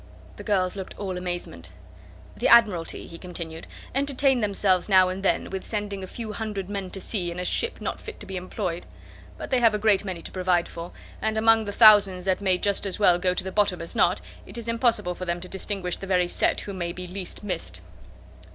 The girls looked all amazement. "The Admiralty," he continued, "entertain themselves now and then, with sending a few hundred men to sea, in a ship not fit to be employed. But they have a great many to provide for; and among the thousands that may just as well go to the bottom as not, it is impossible for them to distinguish the very set who may be least missed."